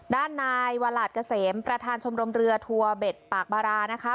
ด้านนายวาหลาดเกษมประธานชมรมเรือทัวร์เบ็ดปากบารานะคะ